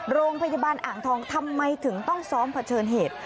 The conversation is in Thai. โรงพยาบาลอ่างทองทำไมถึงต้องซ้อมเผชิญเหตุ